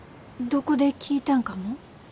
どこで聴いたんかも？